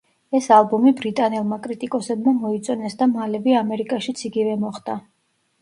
ეს ალბომი ბრიტანელმა კრიტიკოსებმა მოიწონეს და მალევე ამერიკაშიც იგივე მოხდა.